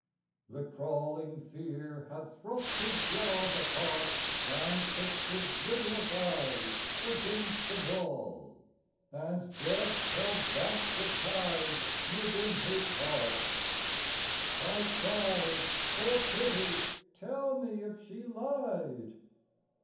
The crawling fear had thrust his jaws apart And fixed his lidless eyes against the wall, And Death held back the tides within his heart; I cried " For Pity, tell me if she lied